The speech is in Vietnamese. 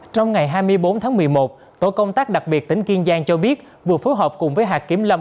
trong ngày hai mươi bốn tháng một mươi một tổ công tác đặc biệt tỉnh kiên giang cho biết vừa phối hợp cùng với hạt kiểm lâm